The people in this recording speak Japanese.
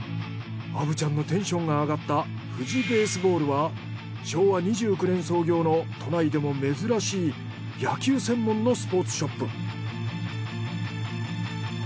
虻ちゃんのテンションが上がった富士ベースボールは昭和２９年創業の都内でも珍しい野球専門のスポーツショップ。